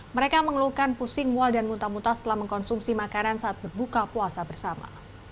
mereka mengeluhkan pusing mual dan muntah muntah setelah mengkonsumsi makanan saat berbuka puasa bersama